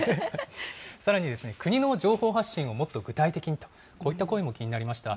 さらに国の情報発信をもっと具体的にという、こういった声も気になりました。